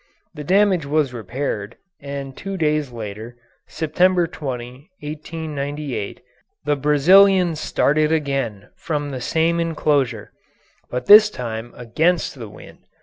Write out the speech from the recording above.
The damage was repaired, and two days later, September 20, 1898, the Brazilian started again from the same enclosure, but this time against the wind.